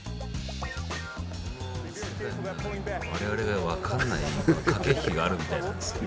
我々が分からない駆け引きがあるみたいですが。